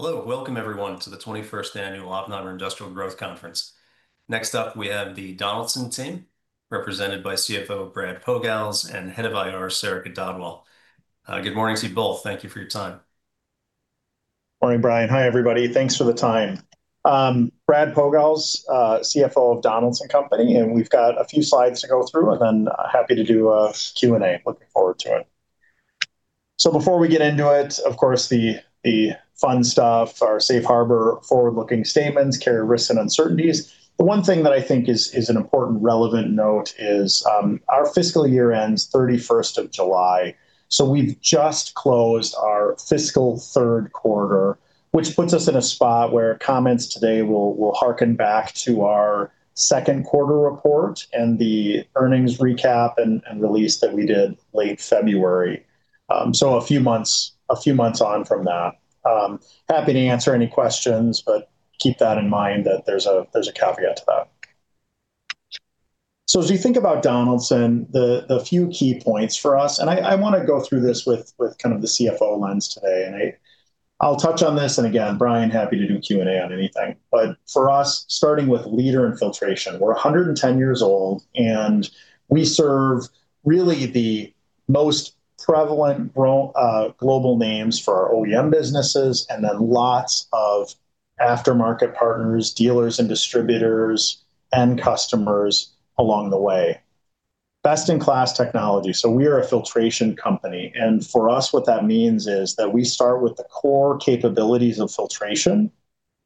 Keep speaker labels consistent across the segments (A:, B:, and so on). A: Hello. Welcome, everyone, to the 21st Annual Oppenheimer industrial growth conference. Next up, we have the Donaldson team, represented by CFO Brad Pogalz and Head of IR, Sarika Dhadwal. Good morning to you both. Thank you for your time.
B: Morning, Brian. Hi, everybody. Thanks for the time. Brad Pogalz, CFO of Donaldson Company. We've got a few slides to go through, and then happy to do a Q&A. Looking forward to it. Before we get into it, of course, the fun stuff, our safe harbor forward-looking statements carry risks and uncertainties. The one thing that I think is an important relevant note is our fiscal year ends 31st of July. We've just closed our fiscal third quarter, which puts us in a spot where comments today will harken back to our second quarter report and the earnings recap and release that we did late February. A few months on from that. Happy to answer any questions, but keep that in mind that there's a caveat to that. As you think about Donaldson, the few key points for us, and I wanna go through this with kind of the CFO lens today, Brian, happy to do Q&A on anything. For us, starting with leader and filtration, we're 110 years old, and we serve really the most prevalent global names for our OEM businesses and then lots of aftermarket partners, dealers and distributors, end customers along the way. Best in class technology. We are a filtration company. For us, what that means is that we start with the core capabilities of filtration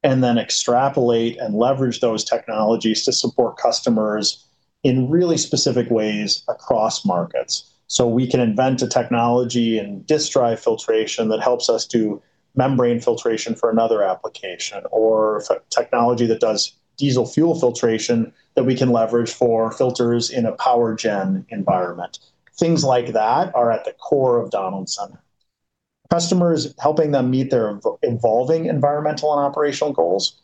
B: and then extrapolate and leverage those technologies to support customers in really specific ways across markets. We can invent a technology and disk drive filtration that helps us do membrane filtration for another application, or technology that does diesel fuel filtration that we can leverage for filters in a power gen environment. Things like that are at the core of Donaldson, helping customers meet their evolving environmental and operational goals.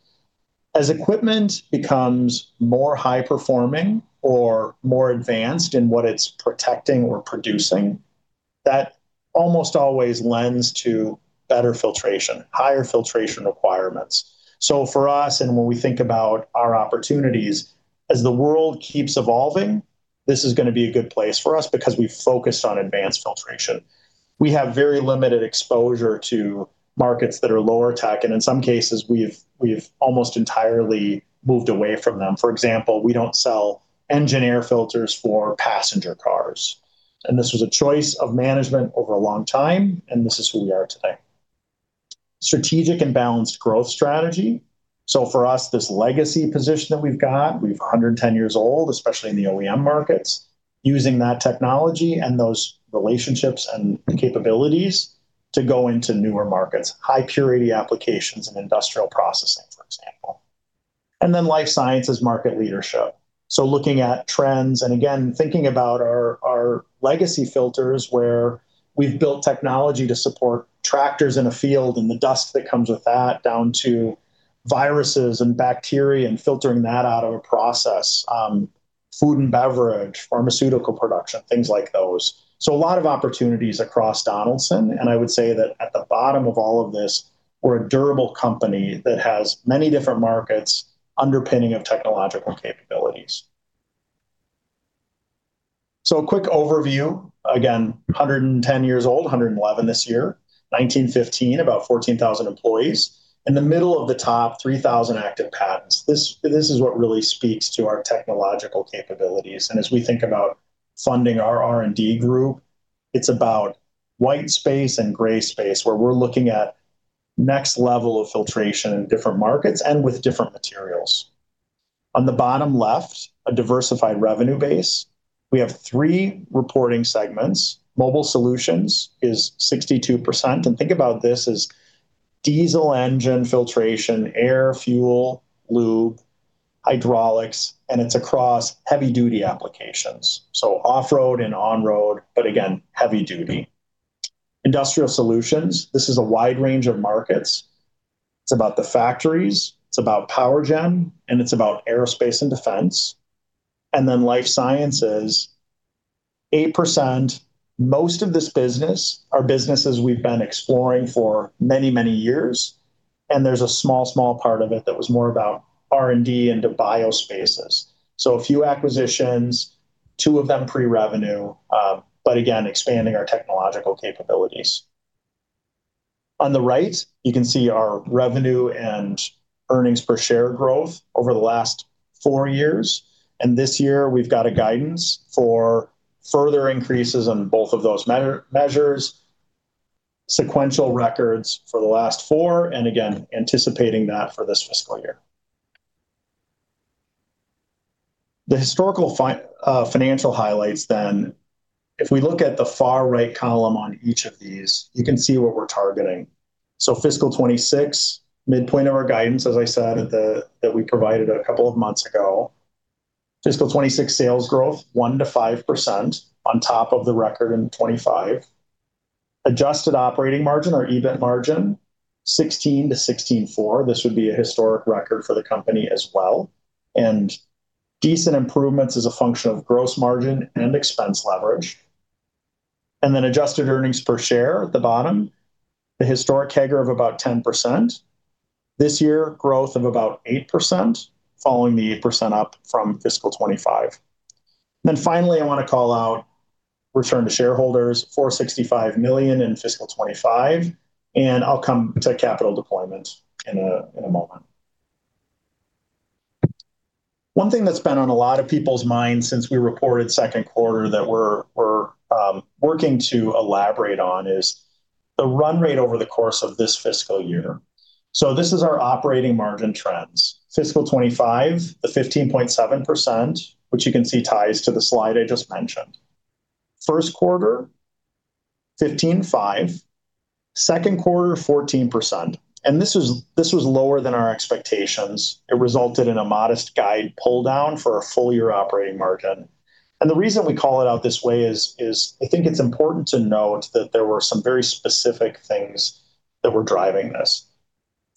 B: As equipment becomes more high-performing or more advanced in what it's protecting or producing, that almost always lends to better filtration, higher filtration requirements. For us, and when we think about our opportunities, as the world keeps evolving, this is gonna be a good place for us because we focus on advanced filtration. We have very limited exposure to markets that are lower tech, and in some cases, we've almost entirely moved away from them. For example, we don't sell engine air filters for passenger cars. This was a choice of management over a long time, and this is who we are today. Strategic and balanced growth strategy. For us, this legacy position that we've got, we're 110 years old, especially in the OEM markets, using that technology and those relationships and capabilities to go into newer markets, high purity applications and industrial processing, for example. Life Sciences market leadership. Looking at trends, and again, thinking about our legacy filters where we've built technology to support tractors in a field and the dust that comes with that down to viruses and bacteria and filtering that out of a process, food and beverage, pharmaceutical production, things like those. A lot of opportunities across Donaldson, and I would say that at the bottom of all of this, we're a durable company that has many different markets underpinning of technological capabilities. A quick overview. Again, 110 years old, 111 this year. 1915, about 14,000 employees. In the middle of the top, 3,000 active patents. This is what really speaks to our technological capabilities. As we think about funding our R&D group, it's about white space and gray space, where we're looking at next level of filtration in different markets and with different materials. On the bottom left, a diversified revenue base. We have three reporting segments. Mobile Solutions is 62%. Think about this as diesel engine filtration, air, fuel, lube, hydraulics, and it's across heavy-duty applications. Off-road and on-road, but again, heavy-duty. Industrial Solutions, this is a wide range of markets. It's about the factories, it's about power gen, and it's about aerospace and defense. Life Sciences, 8%. Most of this business are businesses we've been exploring for many, many years, and there's a small part of it that was more about R&D into bio spaces. A few acquisitions, two of them pre-revenue, but again, expanding our technological capabilities. On the right, you can see our revenue and earnings per share growth over the last four years. This year, we've got a guidance for further increases on both of those measures, sequential records for the last four, again, anticipating that for this fiscal year. The historical financial highlights then, if we look at the far right column on each of these, you can see what we're targeting. Fiscal 2026, midpoint of our guidance, as I said, that we provided a couple of months ago. Fiscal 2026 sales growth, 1%-5% on top of the record in 2025. Adjusted operating margin or EBIT margin, 16%-16.4%. This would be a historic record for the company as well. Decent improvements as a function of gross margin and expense leverage. Adjusted earnings per share at the bottom, the historic CAGR of about 10%. This year, growth of about 8% following the 8% up from fiscal 2025. Finally, I wanna call out return to shareholders, $465 million in fiscal 2025, and I'll come to capital deployment in a moment. One thing that's been on a lot of people's minds since we reported second quarter that we're working to elaborate on is the run rate over the course of this fiscal year. This is our operating margin trends. Fiscal 2025, the 15.7%, which you can see ties to the slide I just mentioned. First quarter, 15.5%. Second quarter, 14%, this was lower than our expectations. It resulted in a modest guide pull down for a full-year operating margin. The reason we call it out this way is I think it's important to note that there were some very specific things that were driving this.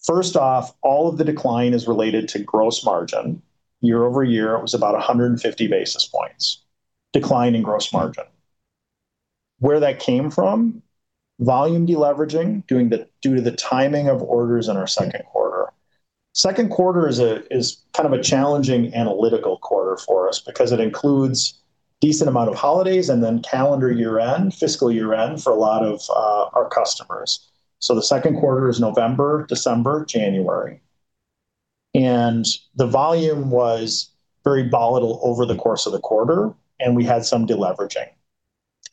B: First off, all of the decline is related to gross margin. Year-over-year, it was about 150 basis points decline in gross margin. Where that came from, volume de-leveraging, due to the timing of orders in our second quarter. Second quarter is a kind of a challenging analytical quarter for us because it includes decent amount of holidays and then calendar year-end, fiscal year-end for a lot of our customers. The second quarter is November, December, January. The volume was very volatile over the course of the quarter, and we had some de-leveraging.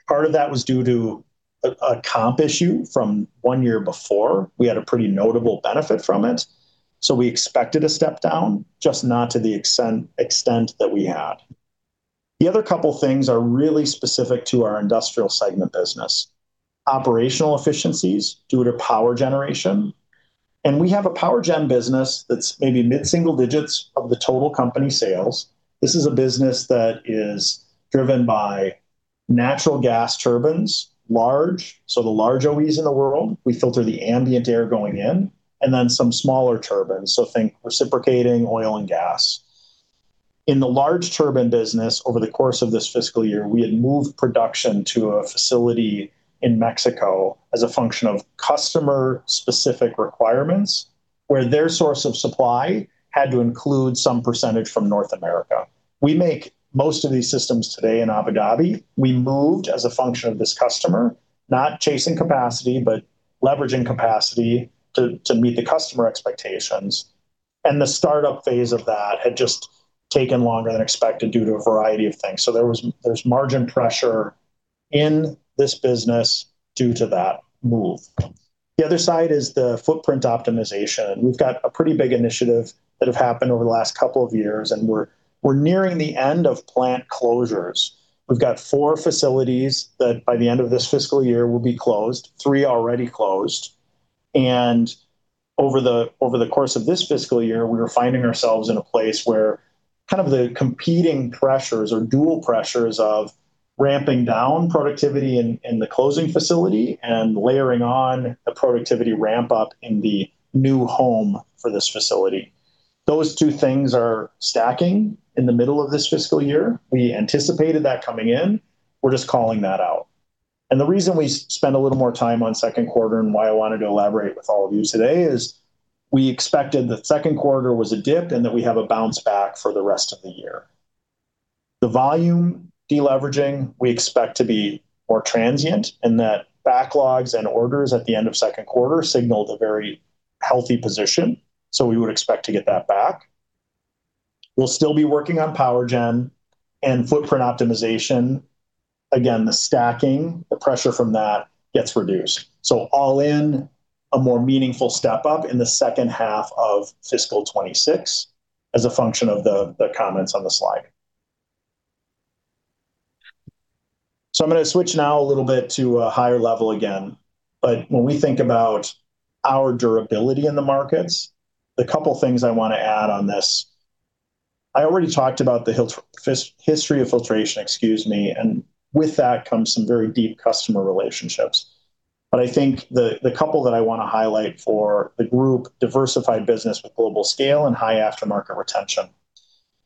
B: Part of that was due to a comp issue from one year before. We had a pretty notable benefit from it, so we expected a step down, just not to the extent that we had. The other couple things are really specific to our industrial segment business. Operational efficiencies due to power generation. We have a power gen business that's maybe mid-single digits of the total company sales. This is a business that is driven by natural gas turbines, large, the large OEs in the world. We filter the ambient air going in, then some smaller turbines, think reciprocating oil and gas. In the large turbine business, over the course of this fiscal year, we had moved production to a facility in Mexico as a function of customer-specific requirements, where their source of supply had to include some percentage from North America. We make most of these systems today in Abu Dhabi. We moved as a function of this customer, not chasing capacity, leveraging capacity to meet the customer expectations, the startup phase of that had just taken longer than expected due to a variety of things. There's margin pressure in this business due to that move. The other side is the footprint optimization. We've got a pretty big initiative that have happened over the last couple of years. We're nearing the end of plant closures. We've got four facilities that by the end of this fiscal year will be closed. Three already closed. Over the course of this fiscal year, we are finding ourselves in a place where kind of the competing pressures or dual pressures of ramping down productivity in the closing facility and layering on the productivity ramp up in the new home for this facility. Those two things are stacking in the middle of this fiscal year. We anticipated that coming in. We're just calling that out. The reason we spend a little more time on second quarter and why I wanted to elaborate with all of you today is we expected that second quarter was a dip and that we have a bounce back for the rest of the year. The volume de-leveraging, we expect to be more transient in that backlogs and orders at the end of second quarter signaled a very healthy position, we would expect to get that back. We'll still be working on power gen and footprint optimization. The stacking, the pressure from that gets reduced. All in, a more meaningful step up in the second half of fiscal 2026 as a function of the comments on the slide. I'm gonna switch now a little bit to a higher level again. When we think about our durability in the markets, the couple things I wanna add on this. I already talked about the history of filtration, excuse me, and with that comes some very deep customer relationships. I think the couple that I wanna highlight for the group, diversified business with global scale and high aftermarket retention.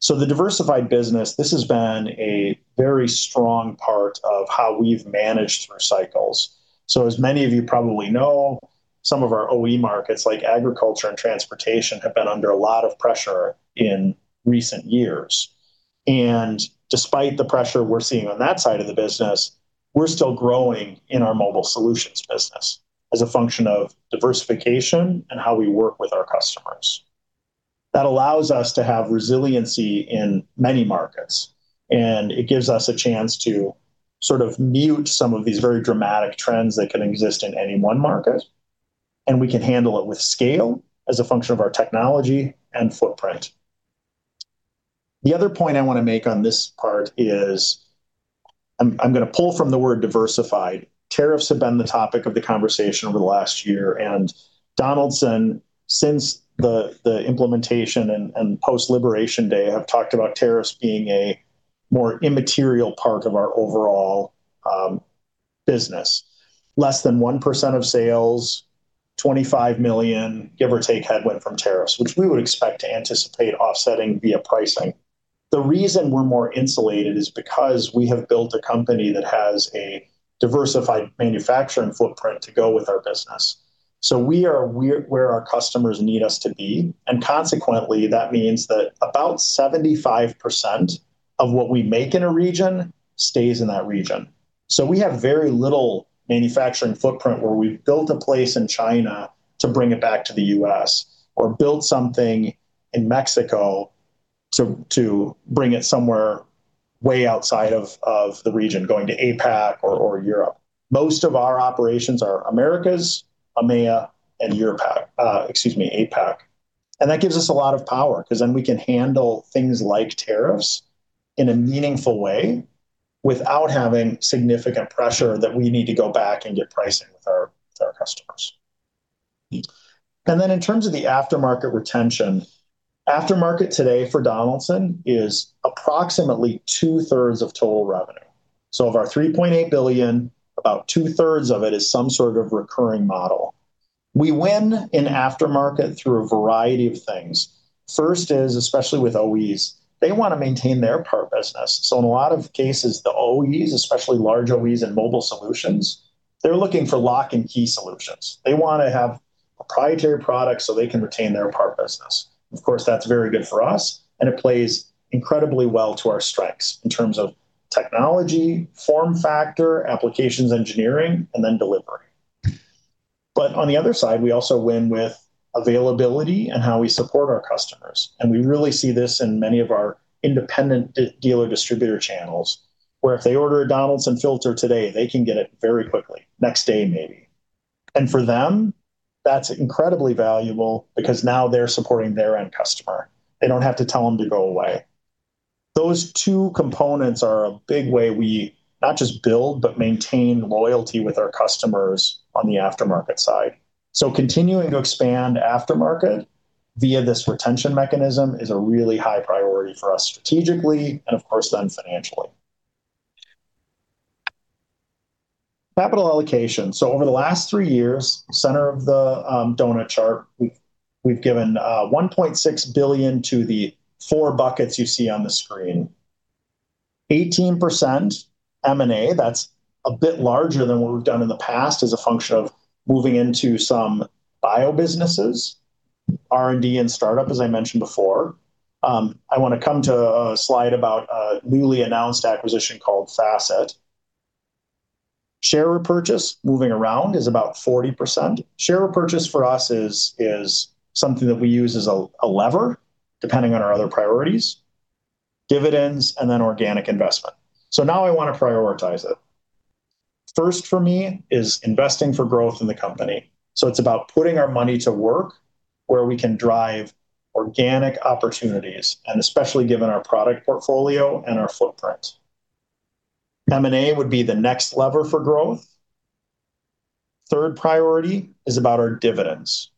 B: The diversified business, this has been a very strong part of how we've managed through cycles. As many of you probably know, some of our OE markets, like agriculture and transportation, have been under a lot of pressure in recent years. Despite the pressure we're seeing on that side of the business, we're still growing in our Mobile Solutions business as a function of diversification and how we work with our customers. That allows us to have resiliency in many markets, and it gives us a chance to sort of mute some of these very dramatic trends that can exist in any one market, and we can handle it with scale as a function of our technology and footprint. The other point I wanna make on this part is I'm gonna pull from the word diversified. Tariffs have been the topic of the conversation over the last year, and Donaldson, since the implementation and post-Liberation Day, have talked about tariffs being a more immaterial part of our overall business. Less than 1% of sales, $25 million, give or take, headwind from tariffs, which we would expect to anticipate offsetting via pricing. The reason we're more insulated is because we have built a company that has a diversified manufacturing footprint to go with our business. We are where our customers need us to be, and consequently, that means that about 75% of what we make in a region stays in that region. We have very little manufacturing footprint where we've built a place in China to bring it back to the U.S., or built something in Mexico to bring it somewhere way outside of the region, going to APAC or Europe. Most of our operations are Americas, EMEA, and Europe. Excuse me, APAC. That gives us a lot of power, because then we can handle things like tariffs in a meaningful way without having significant pressure that we need to go back and get pricing with our customers. In terms of the aftermarket retention, aftermarket today for Donaldson is approximately 2/3 of total revenue. Of our $3.8 billion, about 2/3 of it is some sort of recurring model. We win in aftermarket through a variety of things. First is, especially with OEs, they wanna maintain their part business. In a lot of cases, the OEs, especially large OEs and Mobile Solutions, they're looking for lock and key solutions. They wanna have proprietary products so they can retain their part business. Of course, that's very good for us, and it plays incredibly well to our strengths in terms of technology, form factor, applications engineering, and then delivery. On the other side, we also win with availability and how we support our customers, and we really see this in many of our independent dealer distributor channels, where if they order a Donaldson filter today, they can get it very quickly, next day maybe. For them, that's incredibly valuable because now they're supporting their end customer. They don't have to tell them to go away. Those two components are a big way we not just build, but maintain loyalty with our customers on the aftermarket side. Continuing to expand aftermarket via this retention mechanism is a really high priority for us strategically and, of course, then financially. Capital allocation. Over the last three years, center of the donut chart, we've given $1.6 billion to the four buckets you see on the screen. 18% M&A. That's a bit larger than what we've done in the past as a function of moving into some bio businesses. R&D and startup, as I mentioned before. I wanna come to a slide about a newly announced acquisition called Facet. Share repurchase, moving around, is about 40%. Share repurchase for us is something that we use as a lever depending on our other priorities. Dividends then organic investment. Now I wanna prioritize it. First for me is investing for growth in the company. It's about putting our money to work where we can drive organic opportunities, and especially given our product portfolio and our footprint. M&A would be the next lever for growth. Third priority is about our dividends.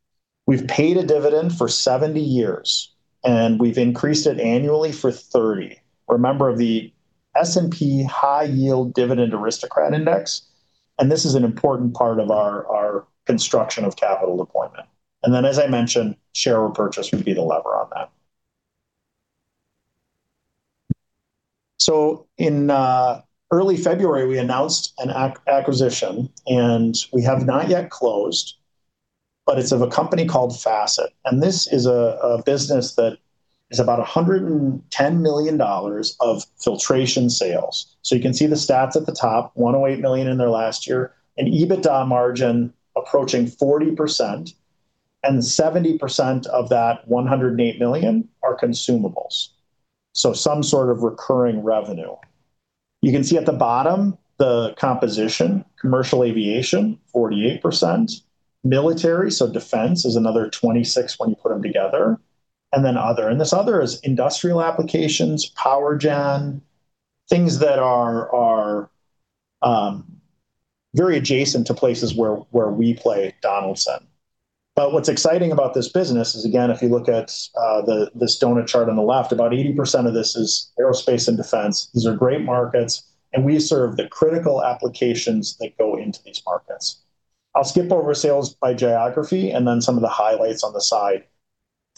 B: We've paid a dividend for 70 years, and we've increased it annually for 30. We're a member of the S&P High Yield Dividend Aristocrats, and this is an important part of our construction of capital deployment. Then as I mentioned, share repurchase would be the lever on that. In early February, we announced an acquisition, and we have not yet closed, but it's of a company called Facet, and this is a business that is about $110 million of filtration sales. You can see the stats at the top. $108 million in their last year. An EBITDA margin approaching 40%, and 70% of that $108 million are consumables, so some sort of recurring revenue. You can see at the bottom the composition. Commercial aviation, 48%. Military, so defense, is another 26% when you put them together. Other, and this other is industrial applications, power gen, things that are very adjacent to places where we play at Donaldson. What's exciting about this business is, again, if you look at this donut chart on the left, about 80% of this is aerospace and defense. These are great markets. We serve the critical applications that go into these markets. I'll skip over sales by geography. Some of the highlights on the side.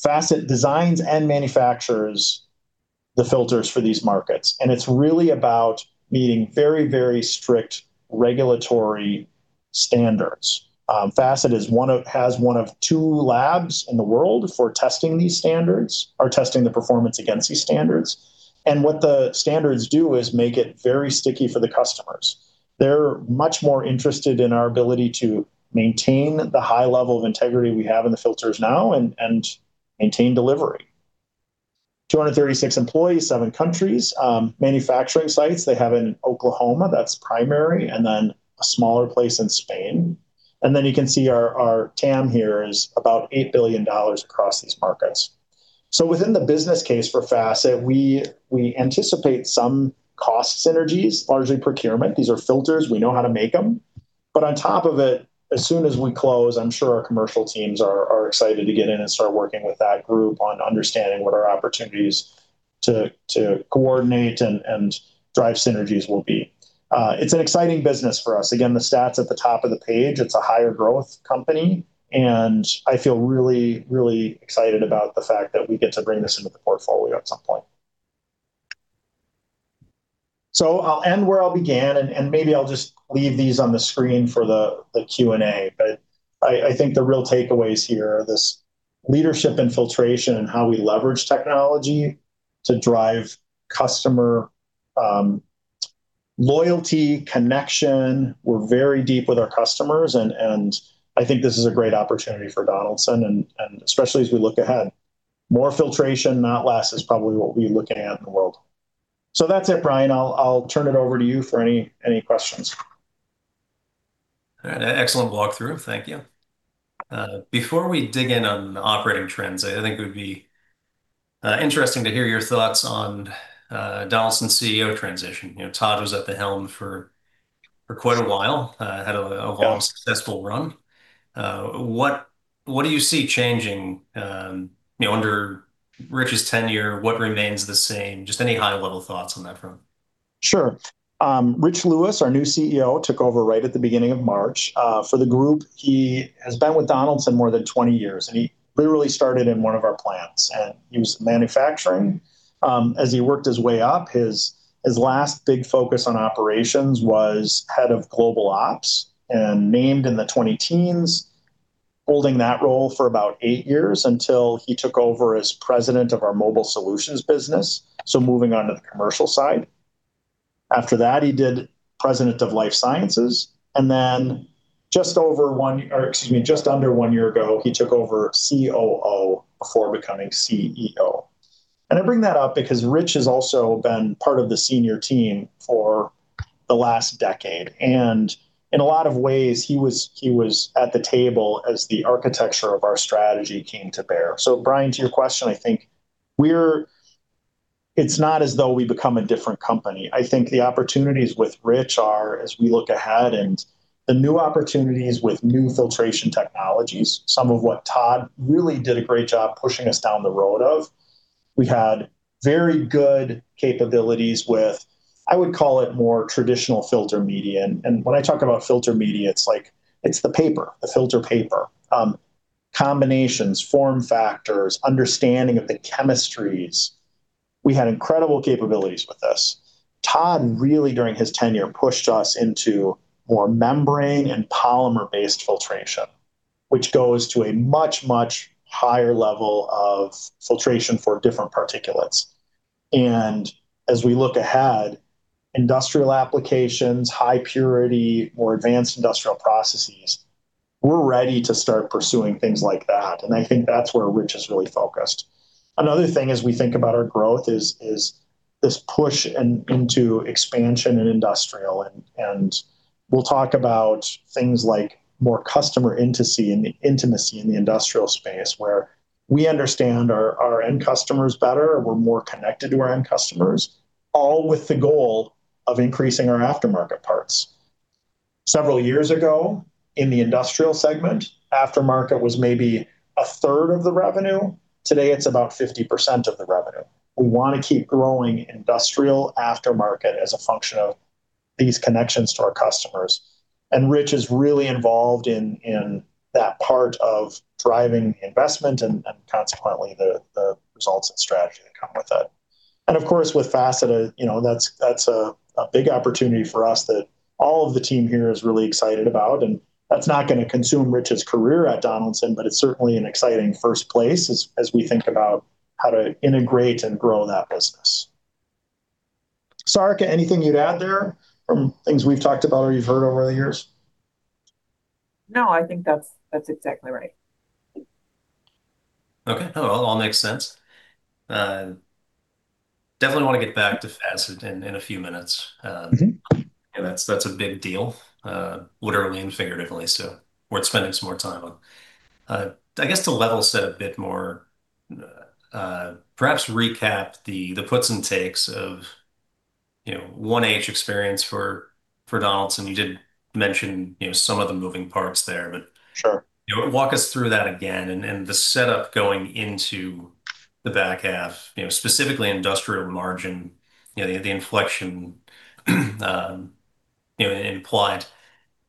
B: Facet designs and manufactures the filters for these markets, and it's really about meeting very, very strict regulatory standards. Facet has one of two labs in the world for testing these standards or testing the performance against these standards. What the standards do is make it very sticky for the customers. They're much more interested in our ability to maintain the high level of integrity we have in the filters now and maintain delivery. 236 employees, seven countries. Manufacturing sites they have in Oklahoma, that's primary, and then a smaller place in Spain. You can see our TAM here is about $8 billion across these markets. Within the business case for Facet, we anticipate some cost synergies, largely procurement. These are filters. We know how to make them. On top of it, as soon as we close, I'm sure our commercial teams are excited to get in and start working with that group on understanding what our opportunities to coordinate and drive synergies will be. It's an exciting business for us. Again, the stats at the top of the page, it's a higher growth company, and I feel really excited about the fact that we get to bring this into the portfolio at some point. I'll end where I began, and maybe I'll just leave these on the screen for the Q&A. I think the real takeaways here are this leadership and filtration and how we leverage technology to drive customer loyalty, connection. We're very deep with our customers and I think this is a great opportunity for Donaldson and especially as we look ahead. More filtration, not less, is probably what we're looking at in the world. That's it, Brian. I'll turn it over to you for any questions.
A: All right. Excellent walkthrough. Thank you. Before we dig in on operating trends, I think it would be interesting to hear your thoughts on Donaldson's CEO transition. You know, Tod was at the helm for quite a while. A long, successful run. What do you see changing, you know, under Rich's tenure? What remains the same? Just any high level thoughts on that front.
B: Sure. Rich Lewis, our new CEO, took over right at the beginning of March for the group. He has been with Donaldson more than 20 years, and he literally started in one of our plants, and he was in manufacturing. As he worked his way up, his last big focus on operations was head of global ops, and named in the 20-teens, holding that role for about eight years until he took over as President of our Mobile Solutions business, so moving on to the commercial side. After that, he did President of Life Sciences, and then just under one year ago, he took over COO before becoming CEO. I bring that up because Rich has also been part of the senior team for the last decade. In a lot of ways, he was at the table as the architecture of our strategy came to bear. Brian, to your question, I think it's not as though we've become a different company. I think the opportunities with Rich are, as we look ahead, and the new opportunities with new filtration technologies, some of what Tod really did a great job pushing us down the road of, we had very good capabilities with, I would call it more traditional filter media. When I talk about filter media, it's like, it's the paper, the filter paper. Combinations, form factors, understanding of the chemistries. We had incredible capabilities with this. Tod really, during his tenure, pushed us into more membrane and polymer-based filtration, which goes to a much higher level of filtration for different particulates. As we look ahead, industrial applications, high purity, more advanced industrial processes, we're ready to start pursuing things like that, and I think that's where Rich is really focused. Another thing as we think about our growth is this push into expansion in industrial, and we'll talk about things like more customer intimacy in the industrial space, where we understand our end customers better, we're more connected to our end customers, all with the goal of increasing our aftermarket parts. Several years ago, in the industrial segment, aftermarket was maybe 1/3 of the revenue. Today, it's about 50% of the revenue. We wanna keep growing industrial aftermarket as a function of these connections to our customers, and Rich is really involved in that part of driving investment and consequently the results and strategy that come with it. Of course, with Facet, you know, that's a big opportunity for us that all of the team here is really excited about, and that's not gonna consume Rich's career at Donaldson, but it's certainly an exciting first place as we think about how to integrate and grow that business. Sarika, anything you'd add there from things we've talked about or you've heard over the years?
C: No, I think that's exactly right.
A: Okay. No, all makes sense. Definitely wanna get back to Facet in a few minutes. You know, that's a big deal, literally and figuratively, so worth spending some more time on. I guess to level set a bit more, perhaps recap the puts and takes of, you know, 1H experience for Donaldson. You did mention, you know, some of the moving parts there.
B: Sure.
A: You know, walk us through that again and the setup going into the back half, you know, specifically industrial margin, you know, the inflection implied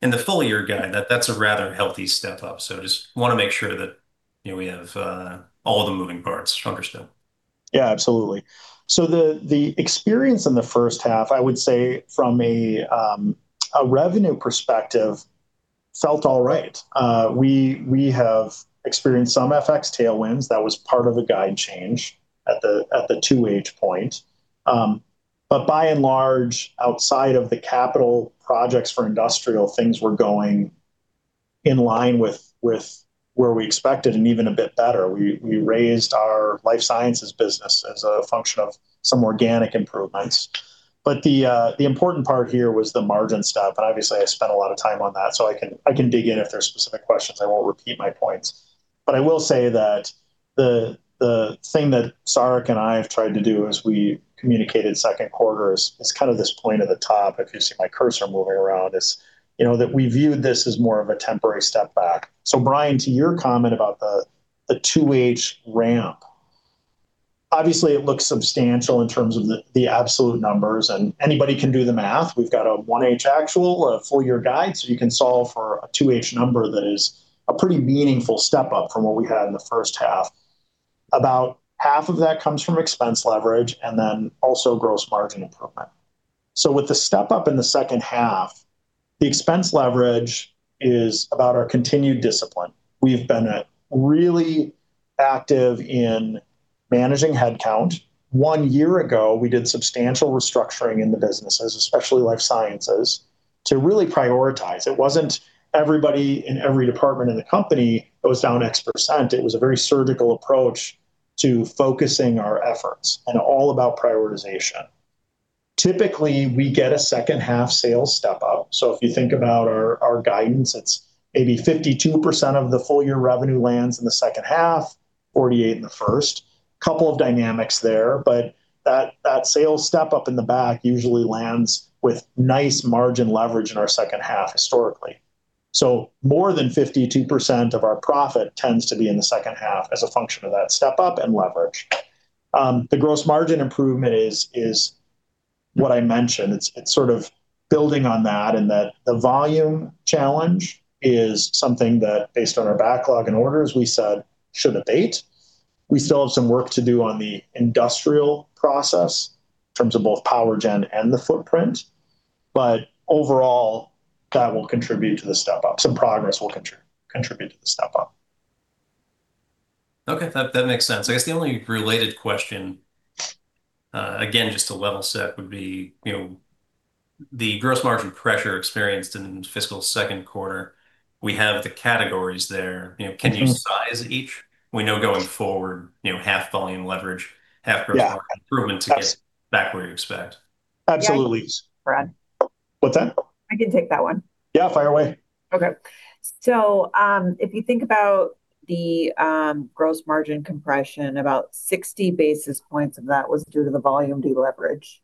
A: in the full-year guide. That's a rather healthy step up, so just wanna make sure that, you know, we have all the moving parts understood.
B: Yeah, absolutely. The, the experience in the first half, I would say from a revenue perspective felt all right. We, we have experienced some FX tailwinds that was part of the guide change at the 2H point. But by and large, outside of the capital projects for Industrial, things were going in line with where we expected and even a bit better. We, we raised our Life Sciences business as a function of some organic improvements. But the important part here was the margin stuff, and obviously I spent a lot of time on that, so I can, I can dig in if there's specific questions. I won't repeat my points. I will say that the thing that Sarika and I have tried to do as we communicated second quarter is kind of this point at the top. If you see my cursor moving around. It's, you know, that we viewed this as more of a temporary step back. Brian, to your comment about the 2H ramp, obviously, it looks substantial in terms of the absolute numbers, and anybody can do the math. We've got a 1H actual, a full year guide, so you can solve for a 2H number that is a pretty meaningful step up from what we had in the first half. About half of that comes from expense leverage, and then also Gross Margin improvement. With the step up in the second half, the expense leverage is about our continued discipline. We've been really active in managing head count. One year ago, we did substantial restructuring in the businesses, especially Life Sciences, to really prioritize. It wasn't everybody in every department in the company goes down X percent. It was a very surgical approach to focusing our efforts and all about prioritization. Typically, we get a second half sales step up. If you think about our guidance, it's maybe 52% of the full year revenue lands in the second half, 48% in the first. Couple of dynamics there, that sales step up in the back usually lands with nice margin leverage in our second half historically. More than 52% of our profit tends to be in the second half as a function of that step up and leverage. The gross margin improvement is what I mentioned. It's sort of building on that in that the volume challenge is something that based on our backlog and orders, we said should abate. We still have some work to do on the industrial process in terms of both power gen and the footprint, but overall that will contribute to the step up. Some progress will contribute to the step up.
A: Okay. That makes sense. I guess the only related question, again, just to level set would be, you know, the gross margin pressure experienced in fiscal second quarter, we have the categories there. You know, can you size each? We know going forward, you know, half volume leverage, half gross margin-
B: Yeah....
A: improvement to get back where you expect.
B: Absolutely.
C: Yeah, Brad.
B: What's that?
C: I can take that one.
B: Yeah, fire away.
C: Okay. If you think about the gross margin compression, about 60 basis points of that was due to the volume deleverage.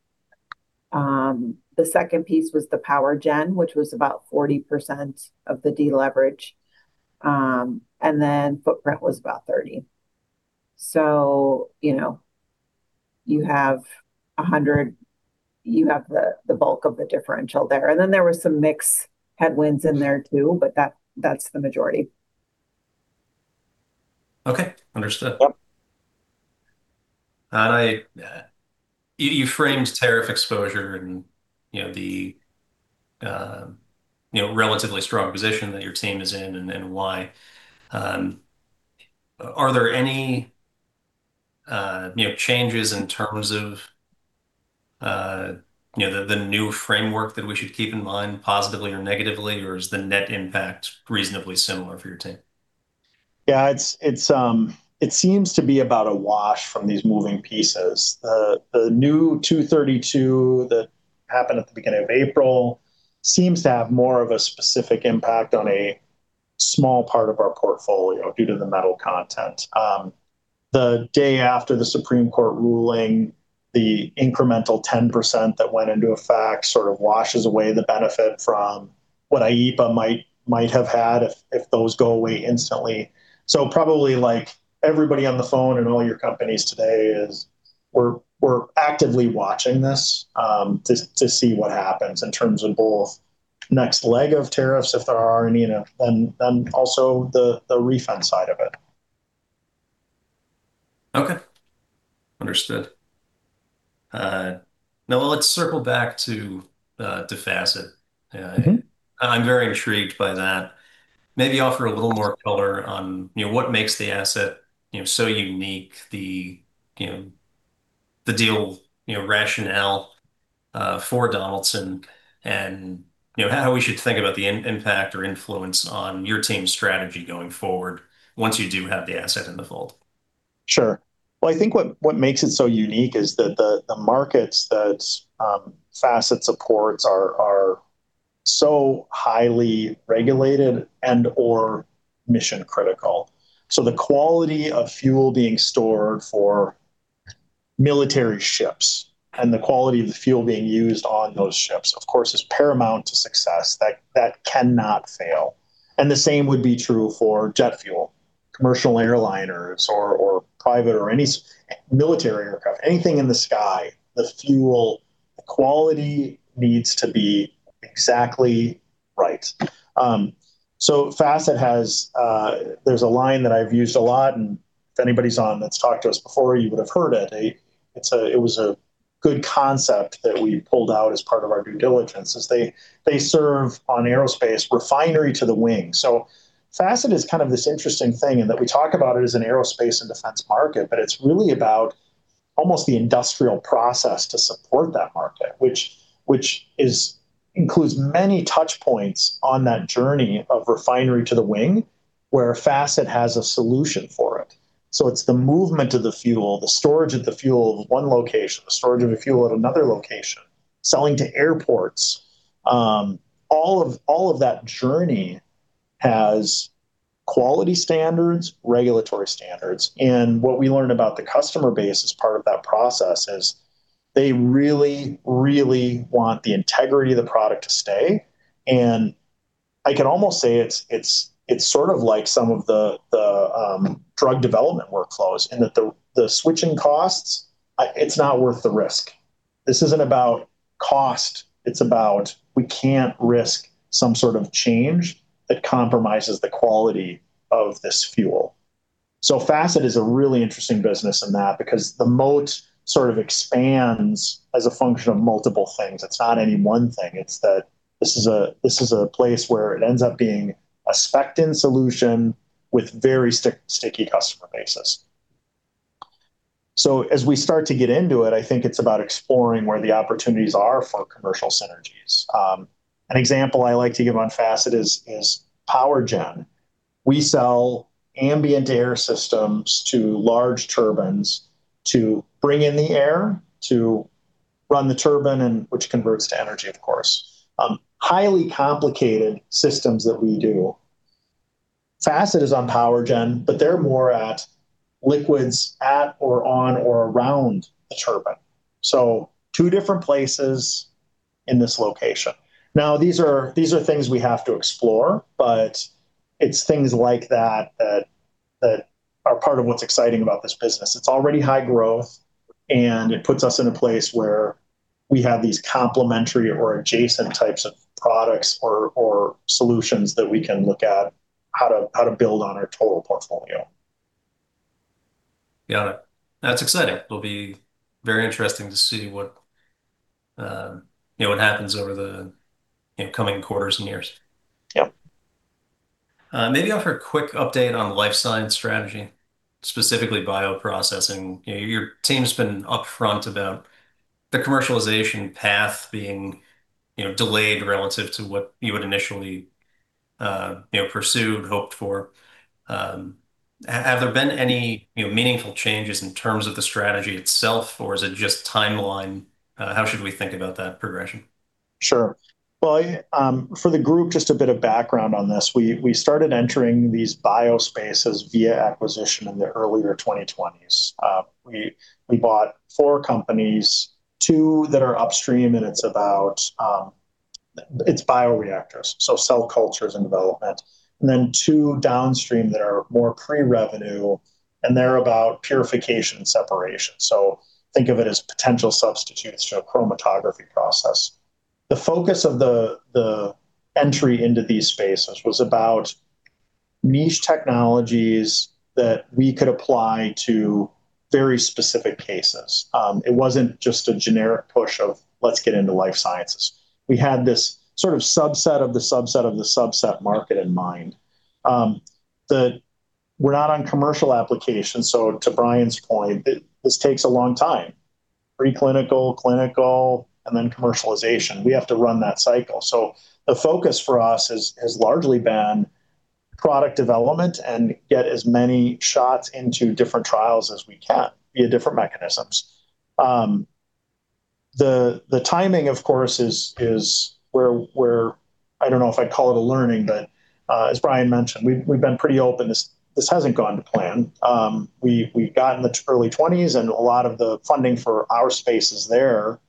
C: The second piece was the power gen, which was about 40% of the deleverage. Footprint was about 30%. You know, you have the bulk of the differential there. There were some mix headwinds in there too, but that's the majority.
A: Okay. Understood.
C: Yeah.
A: I, you framed tariff exposure and, you know, the, you know, relatively strong position that your team is in and why. Are there any, you know, changes in terms of, you know, the new framework that we should keep in mind positively or negatively, or is the net impact reasonably similar for your team?
B: It's about a wash from these moving pieces. The new 232 that happened at the beginning of April seems to have more of a specific impact on a small part of our portfolio due to the metal content. The day after the Supreme Court ruling, the incremental 10% that went into effect sort of washes away the benefit from what IEEPA might have had if those go away instantly. Probably like everybody on the phone in all your companies today is we're actively watching this to see what happens in terms of both next leg of tariffs, if there are any, you know, and also the refund side of it.
A: Okay. Understood. Now let's circle back to Facet. I'm very intrigued by that. Maybe offer a little more color on, you know, what makes the asset, you know, so unique, the, you know, the deal, you know, rationale for Donaldson and, you know, how we should think about the impact or influence on your team's strategy going forward once you do have the asset in the fold.
B: I think what makes it so unique is that the markets that Facet supports are so highly regulated and/or mission critical. The quality of fuel being stored for military ships and the quality of the fuel being used on those ships, of course, is paramount to success. That cannot fail. The same would be true for jet fuel, commercial airliners or private or any military aircraft. Anything in the sky, the fuel quality needs to be exactly right. Facet has, there's a line that I've used a lot, and if anybody's on that's talked to us before, you would have heard it. It's a good concept that we pulled out as part of our due diligence, is they serve on aerospace refinery to the wing. Facet is kind of this interesting thing in that we talk about it as an aerospace and defense market, but it's really about almost the industrial process to support that market, which includes many touch points on that journey of refinery to the wing where Facet has a solution for it. It's the movement of the fuel, the storage of the fuel of one location, the storage of the fuel at another location, selling to airports. All of that journey has quality standards, regulatory standards. What we learned about the customer base as part of that process is they really want the integrity of the product to stay. I can almost say it's sort of like some of the drug development workflows in that the switching costs, it's not worth the risk. This isn't about cost, it's about we can't risk some sort of change that compromises the quality of this fuel. Facet is a really interesting business in that because the moat sort of expands as a function of multiple things. It's not any one thing. It's that this is a place where it ends up being a spec'd in solution with very sticky customer bases. As we start to get into it, I think it's about exploring where the opportunities are for commercial synergies. An example I like to give on Facet is power gen. We sell ambient air systems to large turbines to bring in the air, to run the turbine, and which converts to energy, of course. Highly complicated systems that we do. Facet is on power gen, but they're more at liquids at or on or around the turbine. Two different places in this location. Now, these are things we have to explore, but it's things like that are part of what's exciting about this business. It's already high growth, and it puts us in a place where we have these complementary or adjacent types of products or solutions that we can look at how to build on our total portfolio.
A: Got it. That's exciting. Will be very interesting to see what, you know, what happens over the, you know, coming quarters and years.
B: Yep.
A: Maybe offer a quick update on Life Sciences strategy, specifically bioprocessing. You know, your team's been upfront about the commercialization path being, you know, delayed relative to what you would initially, you know, pursued, hoped for. Have there been any, you know, meaningful changes in terms of the strategy itself, or is it just timeline? How should we think about that progression?
B: Sure. I, for the group, just a bit of background on this. We started entering these bio spaces via acquisition in the earlier 2020s. We bought four companies, two that are upstream, and it's about bioreactors, so cell cultures and development. Two downstream that are more pre-revenue, and they're about purification and separation. Think of it as potential substitutes to a chromatography process. The focus of the entry into these spaces was about niche technologies that we could apply to very specific cases. It wasn't just a generic push of, "Let's get into Life Sciences." We had this sort of subset of the subset of the subset market in mind. We're not on commercial applications, so to Brian's point, this takes a long time. Pre-clinical, clinical, and then commercialization. We have to run that cycle. The focus for us has largely been product development and get as many shots into different trials as we can via different mechanisms. The timing, of course, is where, I don't know if I'd call it a learning, but as Brian mentioned, we've been pretty open. This hasn't gone to plan. We've got in the early 2020s, and a lot of the funding for our spaces there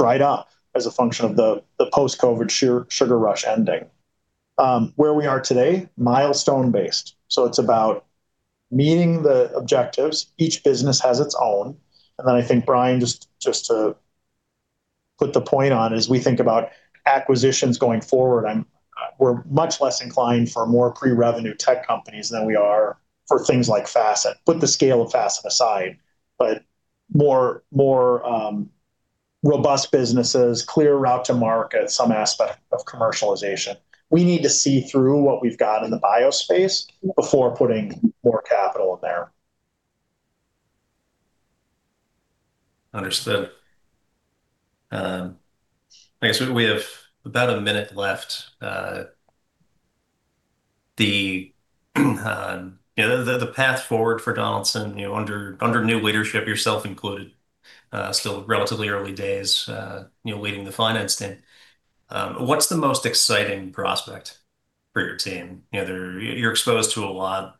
B: dried up as a function of the post-COVID sugar rush ending. Where we are today, milestone-based. It's about meeting the objectives. Each business has its own. I think Brian, just to put the point on, as we think about acquisitions going forward, I'm, we're much less inclined for more pre-revenue tech companies than we are for things like Facet. Put the scale of Facet aside, but more robust businesses, clear route to market, some aspect of commercialization. We need to see through what we've got in the biospace before putting more capital in there.
A: Understood. I guess we have about a minute left. The, you know, the path forward for Donaldson, you know, under new leadership, yourself included, still relatively early days, you know, leading the finance team. What's the most exciting prospect for your team? You know, they're, you're exposed to a lot.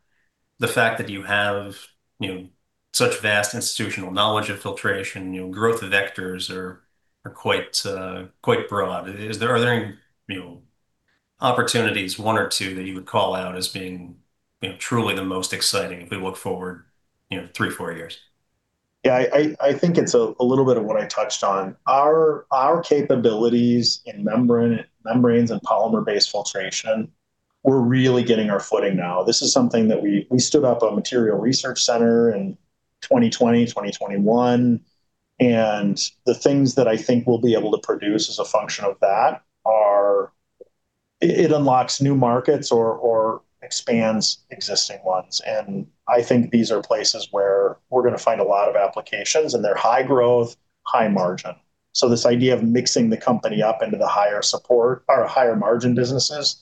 A: The fact that you have, you know, such vast institutional knowledge of filtration, you know, growth vectors are quite broad. Is there, are there any, you know, opportunities, one or two, that you would call out as being, you know, truly the most exciting if we look forward, you know, three, four years?
B: Yeah, I think it's a little bit of what I touched on. Our capabilities in membranes and polymer-based filtration, we're really getting our footing now. This is something that we stood up a material research center in 2020, 2021. The things that I think we'll be able to produce as a function of that are. It unlocks new markets or expands existing ones. I think these are places where we're gonna find a lot of applications. They're high growth, high margin. This idea of mixing the company up into the higher support or higher margin businesses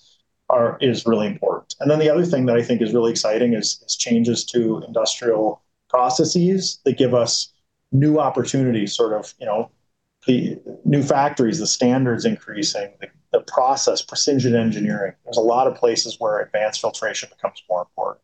B: is really important. The other thing that I think is really exciting is changes to industrial processes that give us new opportunities, sort of, you know, the new factories, the standards increasing, the process, precision engineering. There's a lot of places where advanced filtration becomes more important.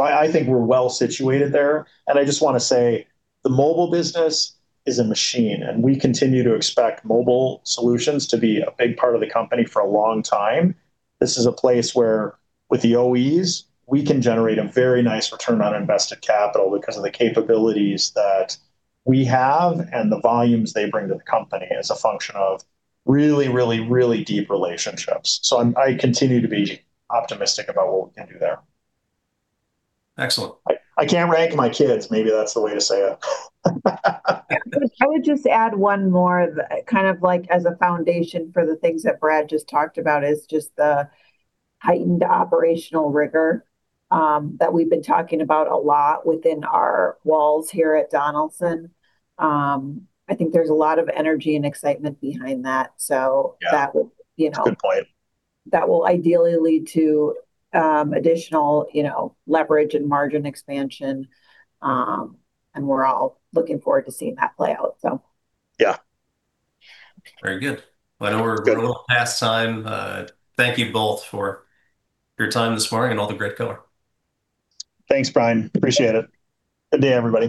B: I think we're well-situated there. I just wanna say, the mobile business is a machine, and we continue to expect Mobile Solutions to be a big part of the company for a long time. This is a place where, with the OEs, we can generate a very nice return on invested capital because of the capabilities that we have and the volumes they bring to the company as a function of really deep relationships. I continue to be optimistic about what we can do there.
A: Excellent.
B: I can't rank my kids. Maybe that's the way to say it.
C: I would just add one more kind of like as a foundation for the things that Brad just talked about, is just the heightened operational rigor that we've been talking about a lot within our walls here at Donaldson. I think there's a lot of energy and excitement behind that.
B: Yeah.
C: That will, you know.
B: That's a good point.
C: That will ideally lead to, additional, you know, leverage and margin expansion. We're all looking forward to seeing that play out, so.
B: Yeah.
A: Very good. Well, I know we're running a little past time. Thank you both for your time this morning and all the great color.
B: Thanks, Brian. Appreciate it. Good day, everybody.